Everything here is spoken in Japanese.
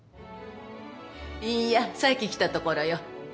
いんやさっき来たところよ。